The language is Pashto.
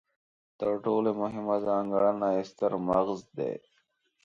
تر ټولو مهمه ځانګړنه یې ستر مغز دی.